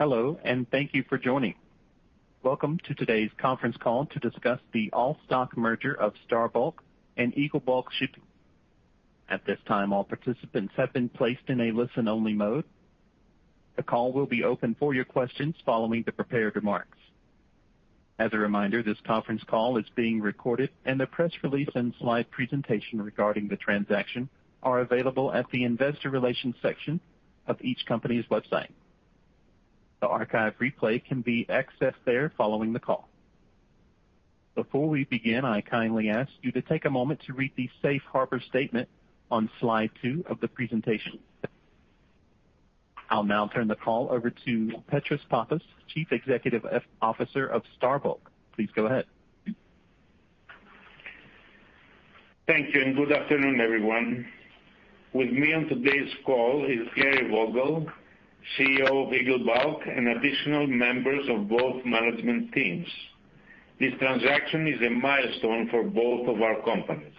Hello, and thank you for joining. Welcome to today's conference call to discuss the all-stock merger of Star Bulk and Eagle Bulk Shipping. At this time, all participants have been placed in a listen-only mode. The call will be open for your questions following the prepared remarks. As a reminder, this conference call is being recorded, and the press release and slide presentation regarding the transaction are available at the investor relations section of each company's website. The archive replay can be accessed there following the call. Before we begin, I kindly ask you to take a moment to read the safe harbor statement on Slide two of the presentation. I'll now turn the call over to Petros Pappas, Chief Executive Officer of Star Bulk. Please go ahead. Thank you, and good afternoon, everyone. With me on today's call is Gary Vogel, CEO of Eagle Bulk, and additional members of both management teams. This transaction is a milestone for both of our companies.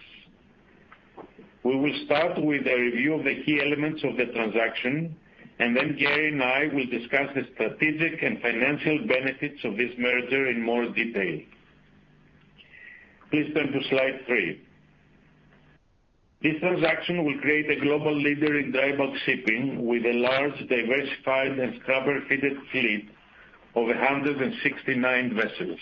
We will start with a review of the key elements of the transaction, and then Gary and I will discuss the strategic and financial benefits of this merger in more detail. Please turn to Slide three. This transaction will create a global leader in dry bulk shipping with a large, diversified, and scrubber-fitted fleet of 169 vessels.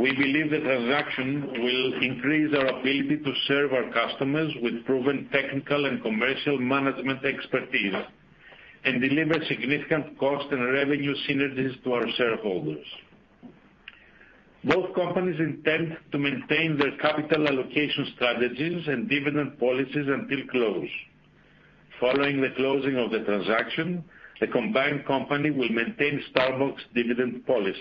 We believe the transaction will increase our ability to serve our customers with proven technical and commercial management expertise and deliver significant cost and revenue synergies to our shareholders. Both companies intend to maintain their capital allocation strategies and dividend policies until close. Following the closing of the transaction, the combined company will maintain Star Bulk's dividend policy.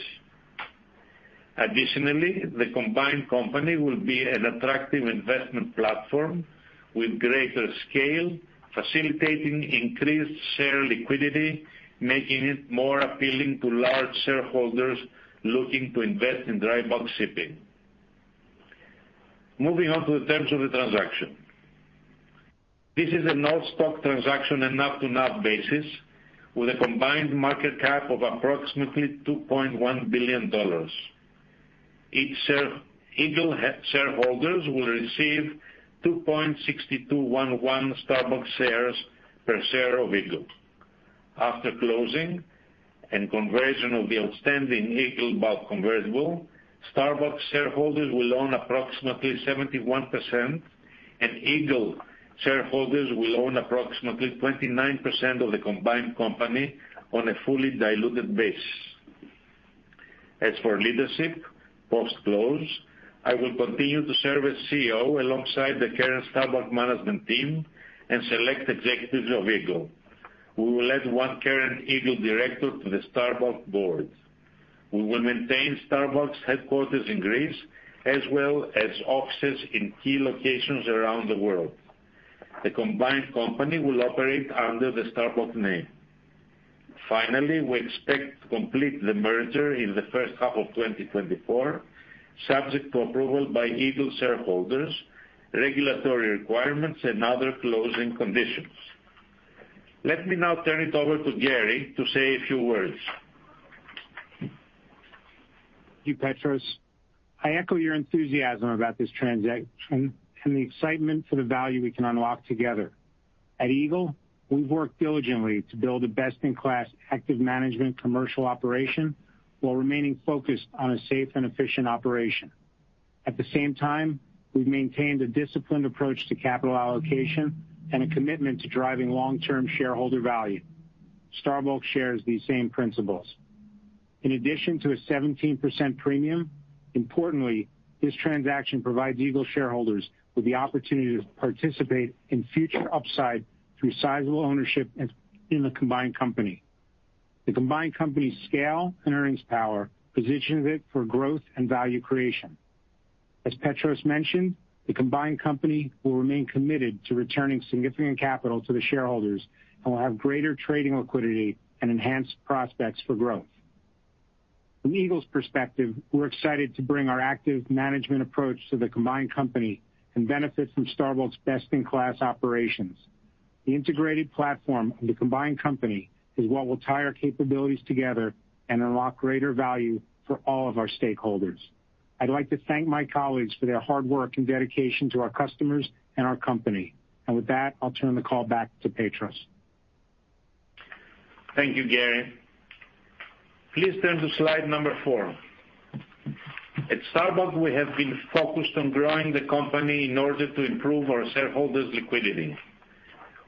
Additionally, the combined company will be an attractive investment platform with greater scale, facilitating increased share liquidity, making it more appealing to large shareholders looking to invest in dry bulk shipping. Moving on to the terms of the transaction. This is an all-stock transaction and NAV-to-NAV basis with a combined market cap of approximately $2.1 billion. Each share Eagle shareholders will receive 2.6211 Star Bulk shares per share of Eagle. After closing and conversion of the outstanding Eagle Bulk convertible, Star Bulk shareholders will own approximately 71%, and Eagle shareholders will own approximately 29% of the combined company on a fully diluted basis. As for leadership, post-close, I will continue to serve as CEO alongside the current Star Bulk management team and select executives of Eagle. We will add one current Eagle director to the Star Bulk board. We will maintain Star Bulk's headquarters in Greece, as well as offices in key locations around the world. The combined company will operate under the Star Bulk name. Finally, we expect to complete the merger in the first half of 2024, subject to approval by Eagle shareholders, regulatory requirements, and other closing conditions. Let me now turn it over to Gary to say a few words. Thank you, Petros. I echo your enthusiasm about this transaction and the excitement for the value we can unlock together. At Eagle, we've worked diligently to build a best-in-class active management commercial operation while remaining focused on a safe and efficient operation. At the same time, we've maintained a disciplined approach to capital allocation and a commitment to driving long-term shareholder value. Star Bulk shares these same principles. In addition to a 17% premium, importantly, this transaction provides Eagle shareholders with the opportunity to participate in future upside through sizable ownership in the combined company. The combined company's scale and earnings power positions it for growth and value creation. As Petros mentioned, the combined company will remain committed to returning significant capital to the shareholders and will have greater trading liquidity and enhanced prospects for growth. From Eagle's perspective, we're excited to bring our active management approach to the combined company and benefit from Star Bulk's best-in-class operations. The integrated platform of the combined company is what will tie our capabilities together and unlock greater value for all of our stakeholders. I'd like to thank my colleagues for their hard work and dedication to our customers and our company. With that, I'll turn the call back to Petros. Thank you, Gary. Please turn to Slide four. At Star Bulk, we have been focused on growing the company in order to improve our shareholders' liquidity.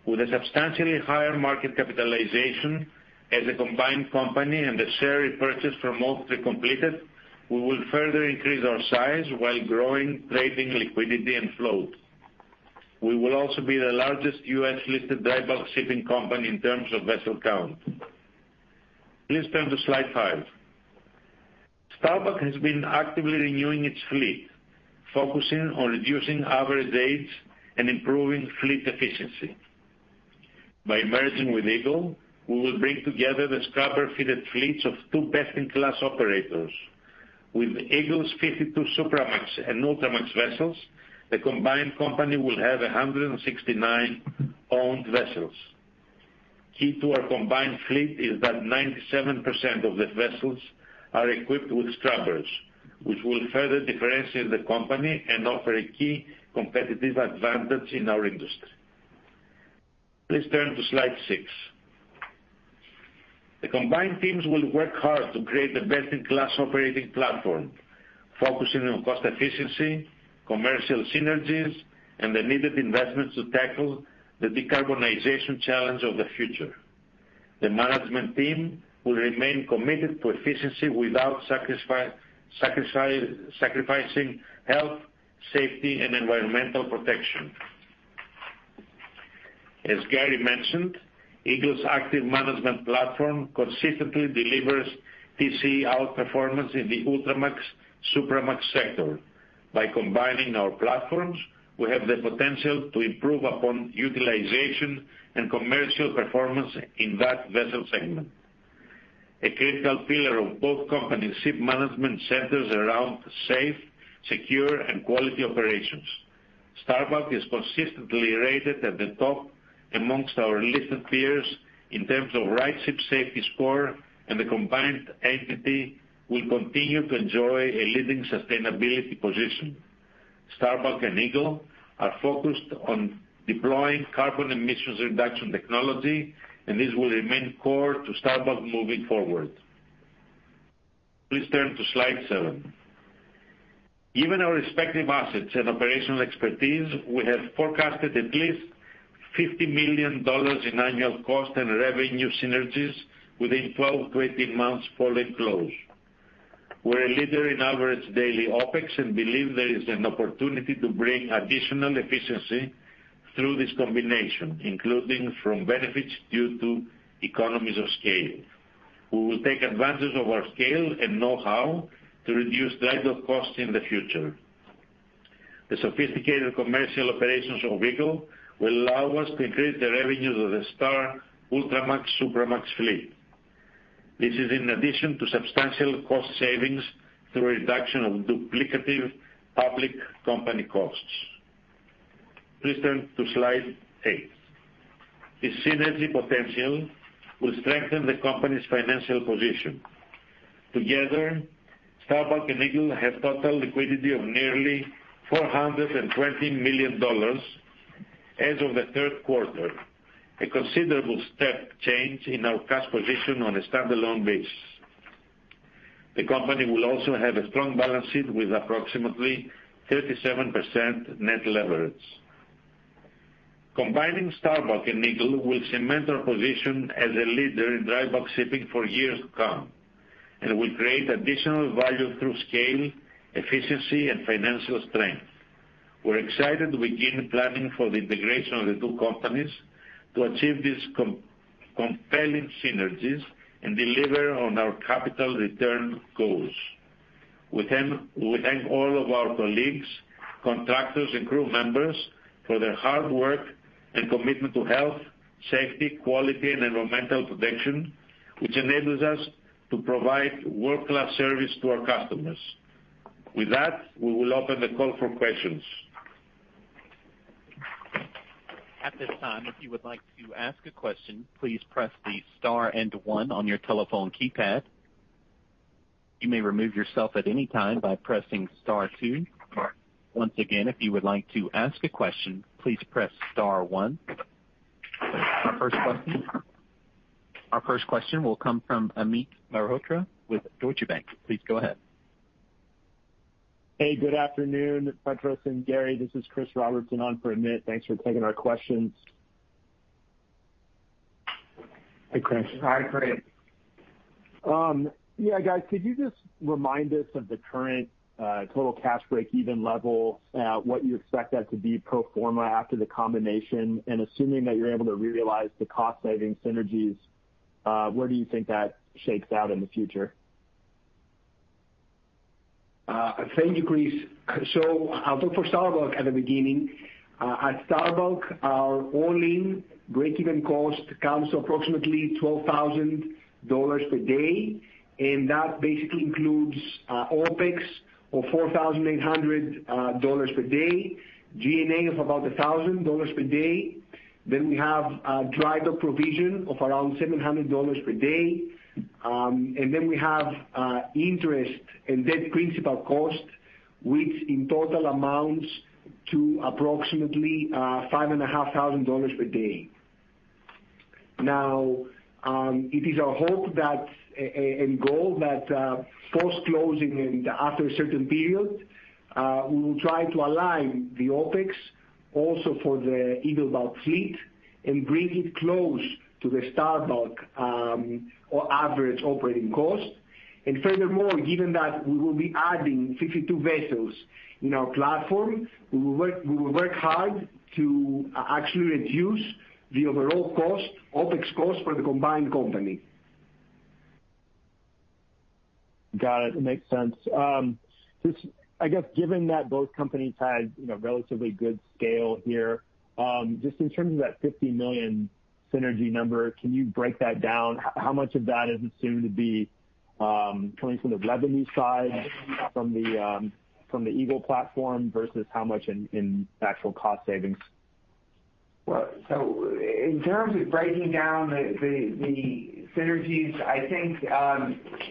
With a substantially higher market capitalization as a combined company and the share repurchase program mostly completed, we will further increase our size while growing trading, liquidity, and flow. We will also be the largest U.S.-listed dry bulk shipping company in terms of vessel count. Please turn to Slide five. Star Bulk has been actively renewing its fleet, focusing on reducing average age and improving fleet efficiency. By merging with Eagle, we will bring together the scrubber-fitted fleets of two best-in-class operators. With Eagle's 52 Supramax and Ultramax vessels, the combined company will have 169 owned vessels. Key to our combined fleet is that 97% of the vessels are equipped with scrubbers, which will further differentiate the company and offer a key competitive advantage in our industry. Please turn to Slide six. The combined teams will work hard to create the best-in-class operating platform, focusing on cost efficiency, commercial synergies, and the needed investments to tackle the decarbonization challenge of the future. The management team will remain committed to efficiency without sacrificing health, safety, and environmental protection. As Gary mentioned, Eagle's active management platform consistently delivers TC outperformance in the Ultramax, Supramax sector. By combining our platforms, we have the potential to improve upon utilization and commercial performance in that vessel segment. A critical pillar of both companies' ship management centers around safe, secure, and quality operations. Star Bulk is consistently rated at the top amongst our listed peers in terms of RightShip safety score, and the combined entity will continue to enjoy a leading sustainability position. Star Bulk and Eagle are focused on deploying carbon emissions reduction technology, and this will remain core to Star Bulk moving forward. Please turn to Slide seven. Given our respective assets and operational expertise, we have forecasted at least $50 million in annual cost and revenue synergies within 12-18 months following close. We're a leader in average daily OpEx and believe there is an opportunity to bring additional efficiency through this combination, including from benefits due to economies of scale. We will take advantage of our scale and know-how to reduce drydock costs in the future. The sophisticated commercial operations of Eagle will allow us to increase the revenues of the Star Ultramax, Supramax fleet. This is in addition to substantial cost savings through reduction of duplicative public company costs. Please turn to Slide 8. This synergy potential will strengthen the company's financial position. Together, Star Bulk and Eagle have total liquidity of nearly $420 million as of the third quarter, a considerable step change in our cash position on a standalone basis. The company will also have a strong balance sheet with approximately 37% net leverage. Combining Star Bulk and Eagle will cement our position as a leader in dry bulk shipping for years to come and will create additional value through scale, efficiency, and financial strength. We're excited to begin planning for the integration of the two companies to achieve these compelling synergies and deliver on our capital return goals. We thank, we thank all of our colleagues, contractors, and crew members for their hard work and commitment to health, safety, quality, and environmental protection, which enables us to provide world-class service to our customers. With that, we will open the call for questions. At this time, if you would like to ask a question, please press the star and one on your telephone keypad. You may remove yourself at any time by pressing star two. Once again, if you would like to ask a question, please press star one. Our first question, our first question will come from Amit Mehrotra with Deutsche Bank. Please go ahead. Hey, good afternoon, Petros and Gary. This is Chris Robertson on for Amit. Thanks for taking our questions. Hi, Chris. Hi, Chris. Yeah, guys, could you just remind us of the current total cash breakeven level, what you expect that to be pro forma after the combination? And assuming that you're able to realize the cost saving synergies, where do you think that shakes out in the future? Thank you, Chris. So I'll talk for Star Bulk at the beginning. At Star Bulk, our all-in breakeven cost comes to approximately $12,000 per day, and that basically includes OpEx of $4,800 per day, G&A of about $1,000 per day. Then we have a drydock provision of around $700 per day. And then we have interest and debt principal cost, which in total amounts to approximately $5,500 per day. Now, it is our hope and goal that, post-closing and after a certain period, we will try to align the OpEx also for the Eagle Bulk fleet and bring it close to the Star Bulk or average operating cost. Furthermore, given that we will be adding 52 vessels in our platform, we will work hard to actually reduce the overall cost, OpEx cost for the combined company. Got it. Makes sense. Just, I guess, given that both companies have, you know, relatively good scale here, just in terms of that $50 million synergy number, can you break that down? How much of that is assumed to be coming from the revenue side, from the Eagle platform, versus how much in actual cost savings? Well, so in terms of breaking down the synergies, I think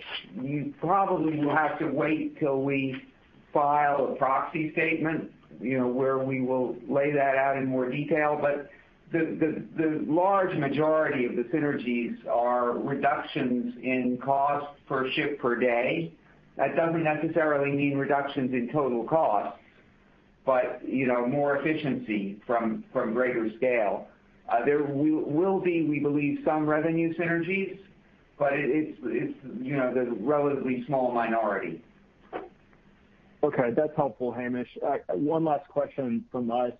you probably will have to wait till we file a proxy statement, you know, where we will lay that out in more detail. But the large majority of the synergies are reductions in cost per ship per day. That doesn't necessarily mean reductions in total cost, but, you know, more efficiency from greater scale. There will be, we believe, some revenue synergies, but it's, you know, the relatively small minority. Okay, that's helpful, Hamish. One last question from us.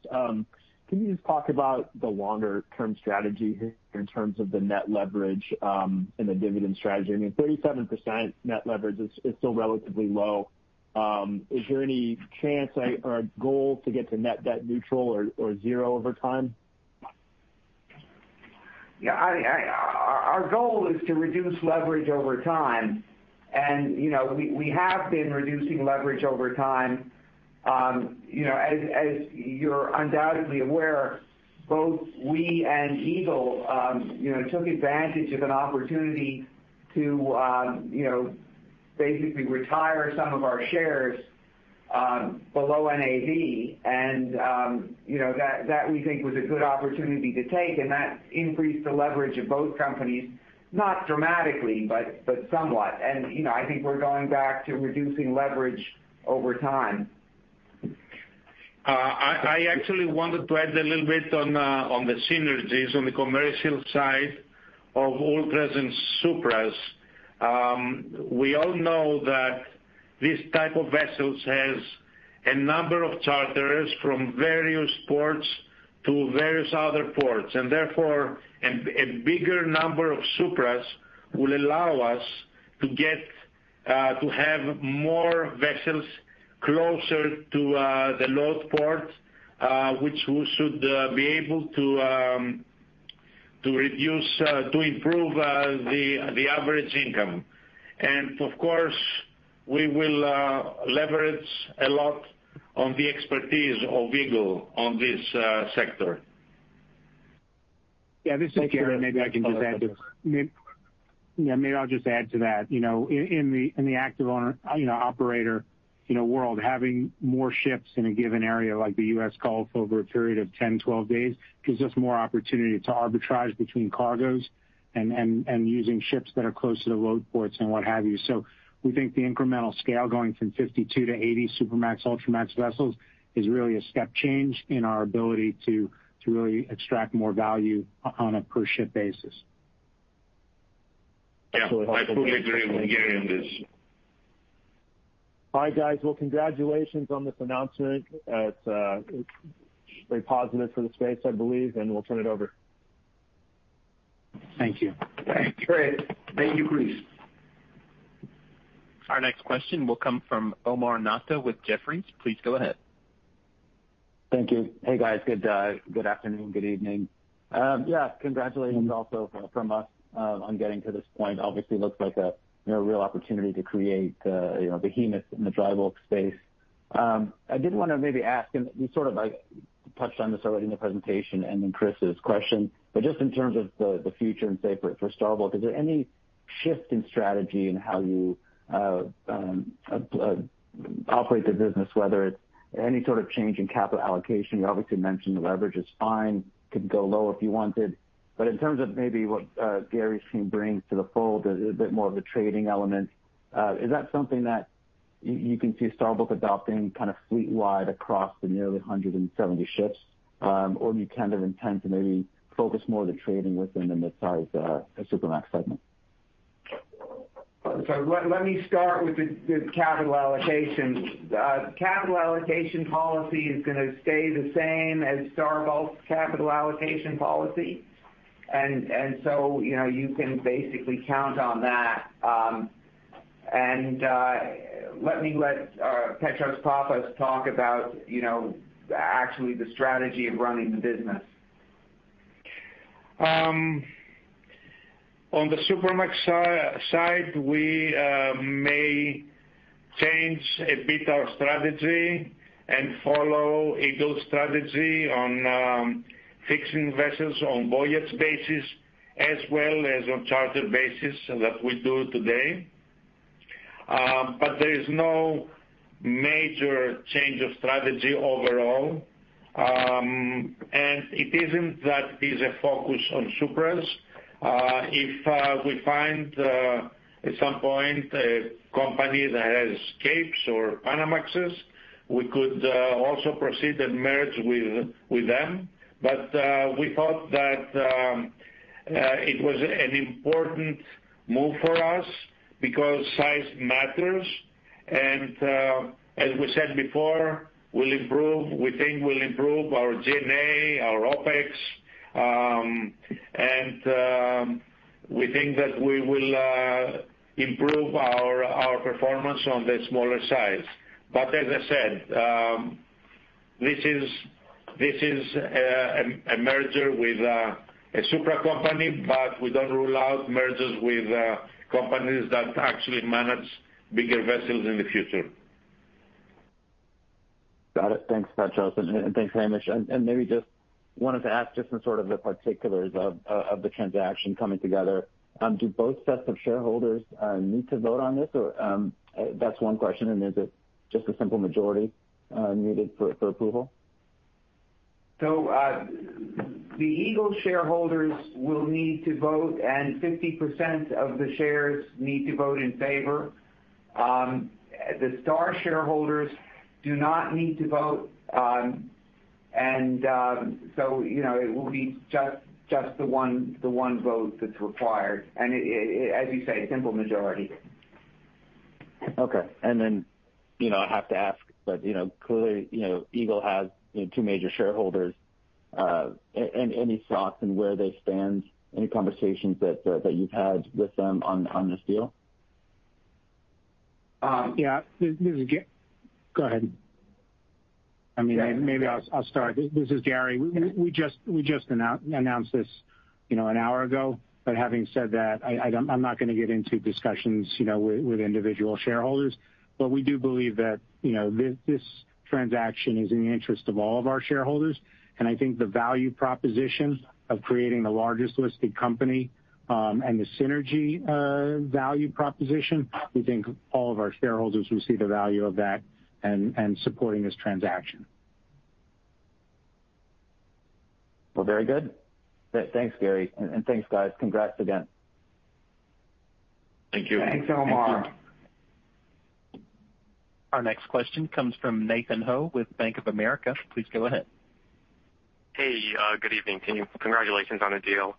Can you just talk about the longer-term strategy here in terms of the net leverage and the dividend strategy? I mean, 37% net leverage is still relatively low. Is there any chance or goal to get to net debt neutral or zero over time? Yeah, our goal is to reduce leverage over time, and, you know, we have been reducing leverage over time. You know, as you're undoubtedly aware, both we and Eagle took advantage of an opportunity to basically retire some of our shares below NAV. And, you know, that we think was a good opportunity to take, and that increased the leverage of both companies, not dramatically, but somewhat. And, you know, I think we're going back to reducing leverage over time. I actually wanted to add a little bit on the synergies on the commercial side of all present Supras. We all know that these type of vessels has a number of charters from various ports to various other ports, and therefore, and a bigger number of Supras will allow us to get, to have more vessels closer to, the load port, which we should, be able to, to reduce, to improve, the average income. And of course, we will, leverage a lot on the expertise of Eagle on this, sector. Yeah, this is Gary. Maybe I can just add to that. You know, in the active owner, you know, operator, you know, world, having more ships in a given area like the U.S. Gulf over a period of 10, 12 days, gives us more opportunity to arbitrage between cargoes and using ships that are closer to load ports and what have you. So we think the incremental scale going from 52 to 80 Supramax, Ultramax vessels is really a step change in our ability to really extract more value on a per ship basis. Yeah, I fully agree with Gary on this. All right, guys. Well, congratulations on this announcement. It's, it's very positive for the space, I believe, and we'll turn it over. Thank you. Thanks, Chris. Thank you, Chris. Our next question will come from Omar Nokta with Jefferies. Please go ahead. Thank you. Hey, guys. Good afternoon, good evening. Yeah, congratulations also from us on getting to this point. Obviously looks like a you know, real opportunity to create a you know, behemoth in the dry bulk space. I did want to maybe ask, and you sort of like, touched on this already in the presentation and in Chris's question, but just in terms of the future and say, for Star Bulk, is there any shift in strategy in how you operate the business, whether it's any sort of change in capital allocation? You obviously mentioned the leverage is fine, could go lower if you wanted. But in terms of maybe what Gary's team brings to the fold, a bit more of a trading element, is that something that you can see Star Bulk adopting kind of fleet-wide across the nearly 170 ships? Or do you kind of intend to maybe focus more of the trading within the size, the Supramax segment? So let me start with the capital allocation. Capital allocation policy is going to stay the same as Star Bulk's capital allocation policy. So, you know, you can basically count on that. Let me let Petros Pappas talk about, you know, actually the strategy of running the business. On the Supramax side, we may change a bit our strategy and follow Eagle's strategy on fixing vessels on voyage basis as well as on charter basis that we do today. But there is no major change of strategy overall, and it isn't that is a focus on Supramaxes. If we find at some point a company that has Capes or Panamaxes, we could also proceed and merge with them. But we thought that it was an important move for us because size matters, and as we said before, we'll improve—we think we'll improve our G&A, our OpEx, and we think that we will improve our performance on the smaller size. But as I said, this is a merger with a Supramax company, but we don't rule out mergers with companies that actually manage bigger vessels in the future. Got it. Thanks much, and thanks, Hamish. Maybe just wanted to ask just some sort of the particulars of the transaction coming together. Do both sets of shareholders need to vote on this? Or, that's one question, and is it just a simple majority needed for approval? The Eagle shareholders will need to vote, and 50% of the shares need to vote in favor. The Star shareholders do not need to vote. So, you know, it will be just, just the one, the one vote that's required, and as you say, a simple majority. Okay. And then, you know, I have to ask, but, you know, clearly, you know, Eagle has, you know, two major shareholders, any thoughts on where they stand, any conversations that you've had with them on this deal? Yeah, this is Gary. Go ahead. I mean, maybe I'll start. This is Gary. We just announced this, you know, an hour ago. But having said that, I don't. I'm not gonna get into discussions, you know, with individual shareholders. But we do believe that, you know, this transaction is in the interest of all of our shareholders, and I think the value proposition of creating the largest listed company, and the synergy value proposition, we think all of our shareholders will see the value of that and supporting this transaction. Well, very good. Thanks, Gary, and thanks, guys. Congrats again. Thank you. Thanks so much. Thank you. Our next question comes from Nathan Ho with Bank of America. Please go ahead. Hey, good evening to you. Congratulations on the deal.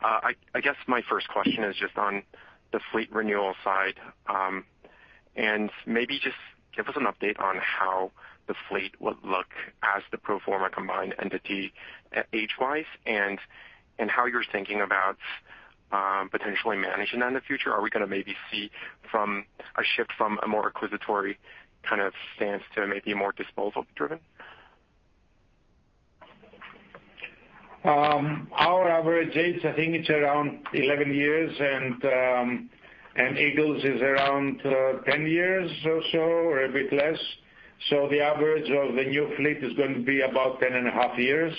I guess my first question is just on the fleet renewal side, and maybe just give us an update on how the fleet would look as the pro forma combined entity, age-wise, and how you're thinking about potentially managing that in the future. Are we gonna maybe see a shift from a more acquisitive kind of stance to maybe a more disposal-driven? Our average age, I think it's around 11 years, and Eagle's is around 10 years or so, or a bit less. So the average of the new fleet is going to be about 10.5 years.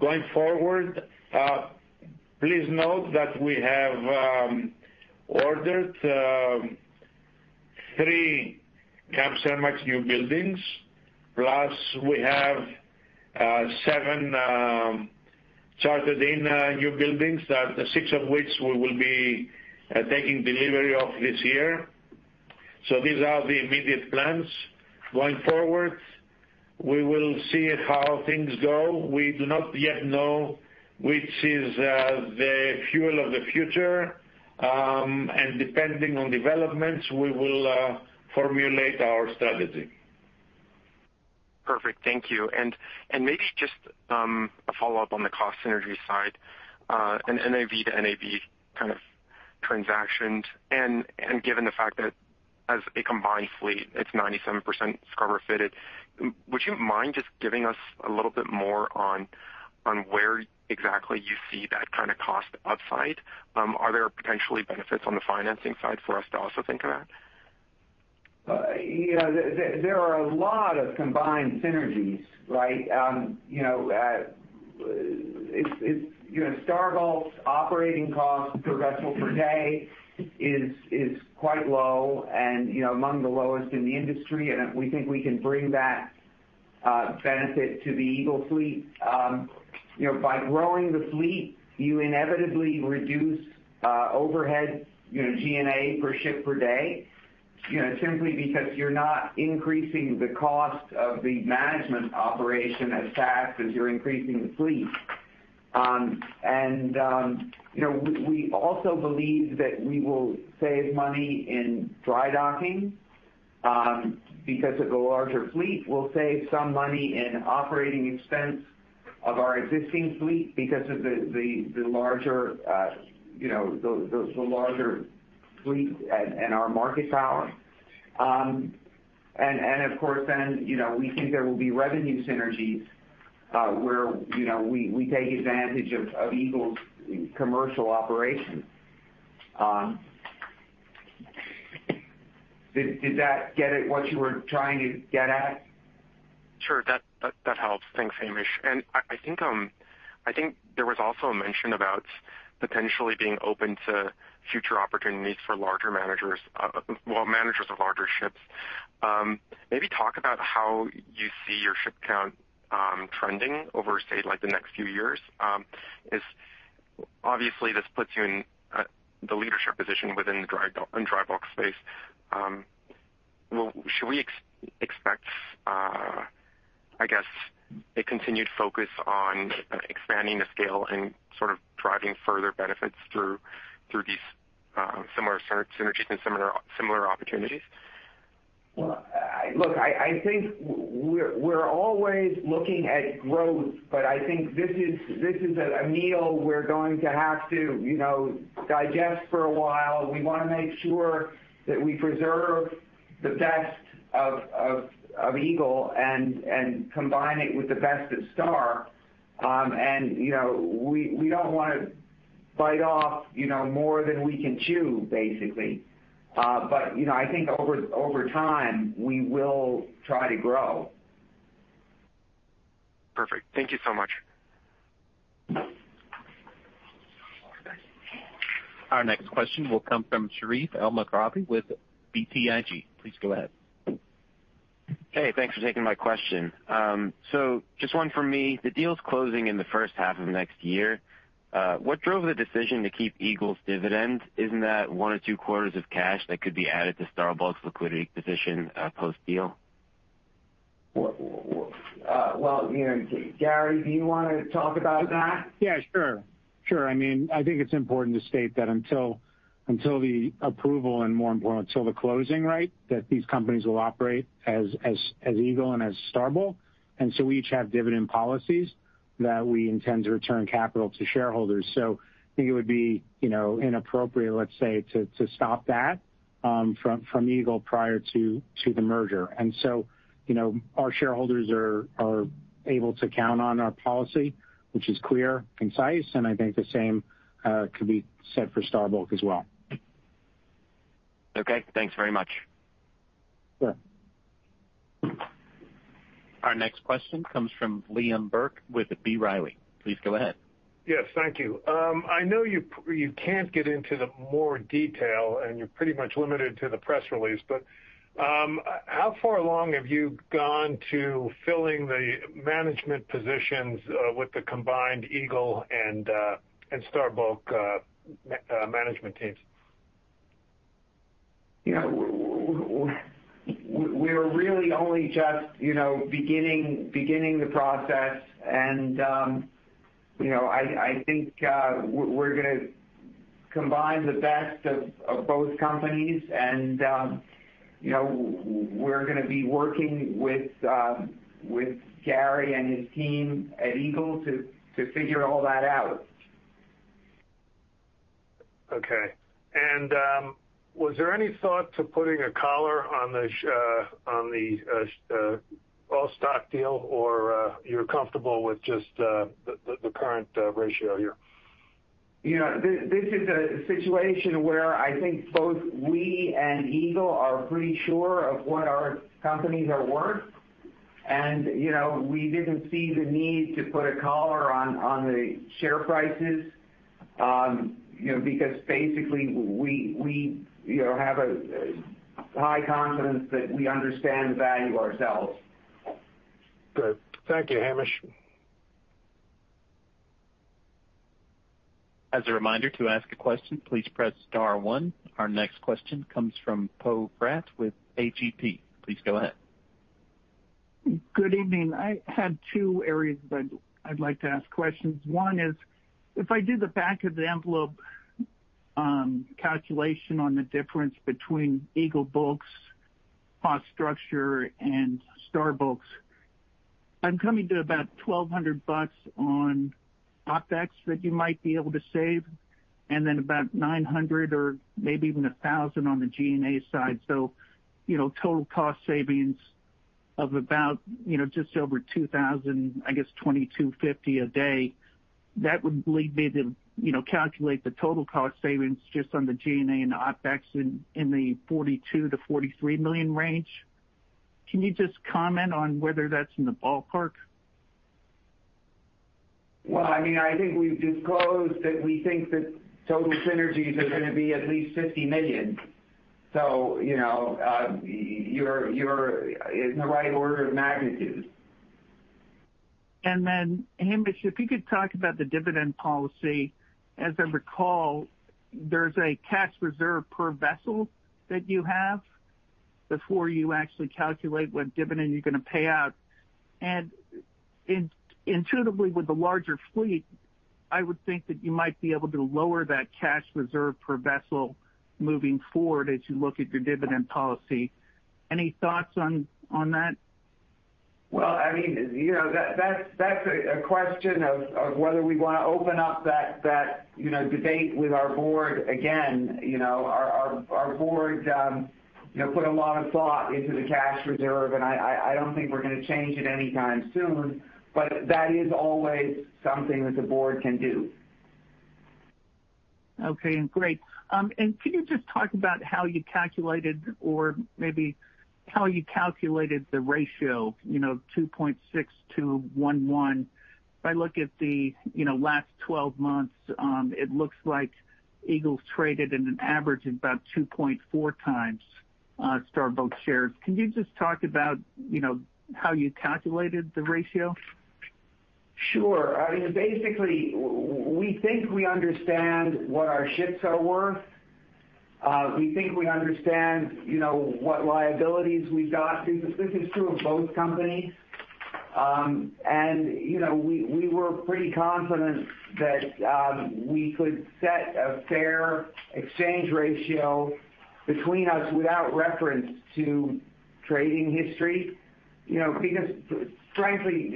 Going forward, please note that we have ordered three Capesize newbuildings, plus we have seven chartered in newbuildings, that six of which we will be taking delivery of this year. So these are the immediate plans. Going forward, we will see how things go. We do not yet know which is the fuel of the future, and depending on developments, we will formulate our strategy. Perfect. Thank you. And, and maybe just, a follow-up on the cost synergy side, and NAV to NAV kind of transactions. And, and given the fact that as a combined fleet, it's 97% scrubber fitted, would you mind just giving us a little bit more on, on where exactly you see that kind of cost upside? Are there potentially benefits on the financing side for us to also think about? Yeah, there are a lot of combined synergies, right? You know, it's you know, Star Bulk's operating costs per vessel per day is quite low and, you know, among the lowest in the industry, and we think we can bring that benefit to the Eagle fleet. You know, by growing the fleet, you inevitably reduce overhead, you know, G&A per ship per day, you know, simply because you're not increasing the cost of the management operation as fast as you're increasing the fleet. And you know, we also believe that we will save money in dry docking because of the larger fleet. We'll save some money in operating expense of our existing fleet because of the larger fleet and our market power. Of course, then, you know, we think there will be revenue synergies, where, you know, we take advantage of Eagle's commercial operation. Did that get at what you were trying to get at? Sure, that helps. Thanks, Hamish. And I think there was also a mention about potentially being open to future opportunities for larger managers, well, managers of larger ships. Maybe talk about how you see your ship count trending over, say, like, the next few years. Is, obviously, this puts you in the leadership position within the dry bulk, in dry bulk space. Well, should we expect, I guess, a continued focus on expanding the scale and sort of driving further benefits through these similar synergies and similar, similar opportunities? Well, look, I think we're always looking at growth, but I think this is a meal we're going to have to, you know, digest for a while. We wanna make sure that we preserve the best of Eagle and combine it with the best of Star. And, you know, we don't wanna bite off, you know, more than we can chew, basically. But, you know, I think over time, we will try to grow. Perfect. Thank you so much. Our next question will come from Sherif Elmaghrabi with BTIG. Please go ahead. Hey, thanks for taking my question. So just one from me. The deal's closing in the first half of next year. What drove the decision to keep Eagle's dividends? Isn't that one or two quarters of cash that could be added to Star Bulk's liquidity position, post-deal? Well, you know, Gary, do you wanna talk about that? Yeah, sure. Sure, I mean, I think it's important to state that until the approval, and more important, until the closing, right, that these companies will operate as Eagle and as Star Bulk. And so we each have dividend policies that we intend to return capital to shareholders. So I think it would be, you know, inappropriate, let's say, to stop that from Eagle prior to the merger. And so, you know, our shareholders are able to count on our policy, which is clear, concise, and I think the same could be said for Star Bulk as well. Okay, thanks very much. Sure. Our next question comes from Liam Burke with B. Riley. Please go ahead. Yes, thank you. I know you can't get into the more detail, and you're pretty much limited to the press release, but how far along have you gone to filling the management positions with the combined Eagle and Star Bulk management teams? You know, we're really only just, you know, beginning the process. And, you know, I think, we're gonna combine the best of both companies, and, you know, we're gonna be working with Gary and his team at Eagle to figure all that out. Okay. And was there any thought to putting a collar on the all-stock deal, or you're comfortable with just the current ratio here? You know, this is a situation where I think both we and Eagle are pretty sure of what our companies are worth. And, you know, we didn't see the need to put a collar on the share prices, you know, because basically we you know have a high confidence that we understand the value ourselves. Good. Thank you, Hamish. As a reminder, to ask a question, please press star one. Our next question comes from Poe Fratt with AGP. Please go ahead. Good evening. I have two areas that I'd like to ask questions. One is, if I do the back of the envelope calculation on the difference between Eagle Bulk's cost structure and Star Bulk's, I'm coming to about $1,200 on OpEx that you might be able to save, and then about $900 or maybe even $1,000 on the G&A side. So, you know, total cost savings of about, you know, just over $2,000, I guess, $2,250 a day. That would lead me to, you know, calculate the total cost savings just on the G&A and OpEx in the $42 million-$43 million range. Can you just comment on whether that's in the ballpark? Well, I mean, I think we've disclosed that we think that total synergies are gonna be at least $50 million. So, you know, you're in the right order of magnitude. And then, Hamish, if you could talk about the dividend policy. As I recall, there's a cash reserve per vessel that you have before you actually calculate what dividend you're gonna pay out. And intuitively, with the larger fleet, I would think that you might be able to lower that cash reserve per vessel moving forward as you look at your dividend policy. Any thoughts on, on that? Well, I mean, you know, that's a question of whether we wanna open up that, you know, debate with our board again. You know, our board, you know, put a lot of thought into the cash reserve, and I don't think we're gonna change it anytime soon, but that is always something that the board can do. Okay, great. And can you just talk about how you calculated, or maybe how you calculated the ratio, you know, 2.6 to 1.1? If I look at the, you know, last 12 months, it looks like Eagle's traded at an average of about 2.4 times Star Bulk shares. Can you just talk about, you know, how you calculated the ratio? Sure. I mean, basically, we think we understand what our ships are worth. We think we understand, you know, what liabilities we've got. This is true of both companies. And, you know, we were pretty confident that we could set a fair exchange ratio between us without reference to trading history. You know, because frankly,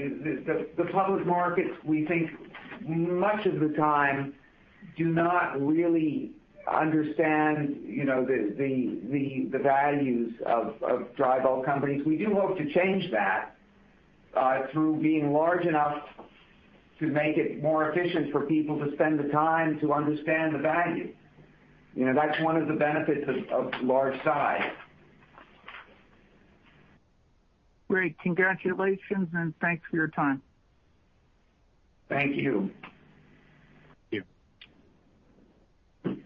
the public markets, we think much of the time, do not really understand, you know, the values of dry bulk companies. We do hope to change that, through being large enough to make it more efficient for people to spend the time to understand the value. You know, that's one of the benefits of large size. Great. Congratulations, and thanks for your time. Thank you.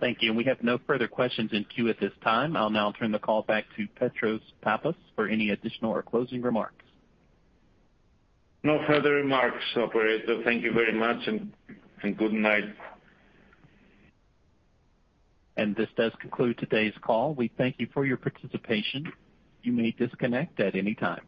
Thank you. Thank you. We have no further questions in queue at this time. I'll now turn the call back to Petros Pappas for any additional or closing remarks. No further remarks, operator. Thank you very much, and, and good night. This does conclude today's call. We thank you for your participation. You may disconnect at any time.